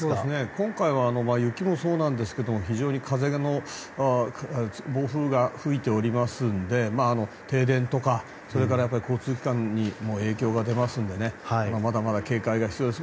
今回は雪もそうなんですが非常に暴風が吹いておりますので停電とか、それから交通機関にも影響が出ますのでまだまだ警戒が必要です。